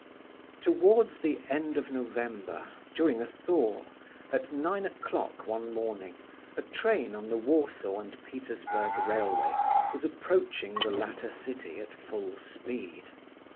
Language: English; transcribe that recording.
Towards the end of November, during a thaw, at nine o'clock one morning, a train on the Warsaw and Petersburg railway was approaching the latter city at full speed.